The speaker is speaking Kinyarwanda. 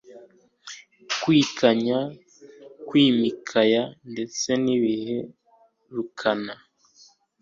kwikanya kwimikaya ndetse nibihe runaka